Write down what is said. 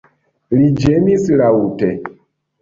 Li ĝemis laŭte.